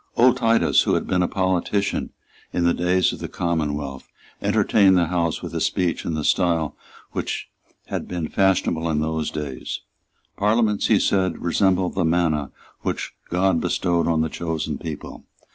Old Titus, who had been a politician in the days of the Commonwealth, entertained the House with a speech in the style which had been fashionable in those days. Parliaments, he said, resembled the manna which God bestowed on the chosen people.